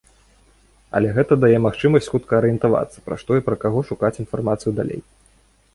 Але гэта дае магчымасць хутка арыентавацца, пра што і пра каго шукаць інфармацыю далей.